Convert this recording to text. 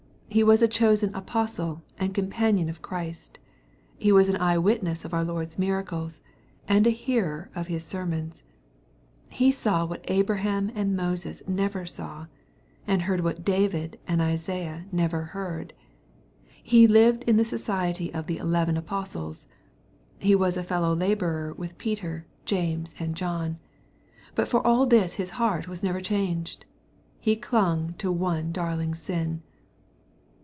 He was a chosen apostle, and companion of Christ. He was an eye witness of our Lord's miracles, and a hearer of His sermons. He saw what Abraham and Moses never saw, and heard what David and Isaiah never heard. He lived in the jociety of the eleven apostles. He was a fellow laborer with Peter, James, and John. But for all this his heart was never changed. He clung to one darling sin.